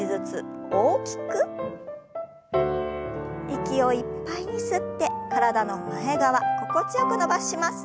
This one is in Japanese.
息をいっぱいに吸って体の前側心地よく伸ばします。